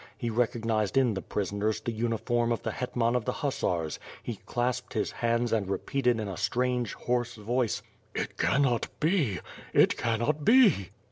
He recognized in the prisoners the uniform of the hetraan of the Hussars, he clasped his hands and repeated in a strange, hoarse voice: "It cannot be it cannot be!"